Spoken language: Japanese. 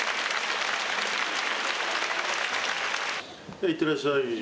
じゃあいってらっしゃい。